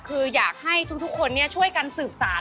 คุณอยากให้ทุกคนเนี่ยช่วยกันสืบสาร